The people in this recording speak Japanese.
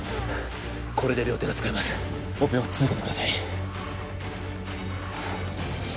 これで両手が使えますオペを続けてください